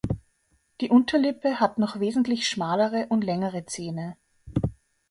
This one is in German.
Die Unterlippe hat noch wesentlich schmalere und längere Zähne.